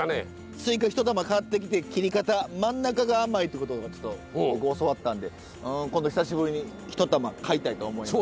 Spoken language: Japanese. すいかひと玉買ってきて切り方真ん中が甘いってことをちょっと僕教わったんで今度久しぶりにひと玉買いたいと思います。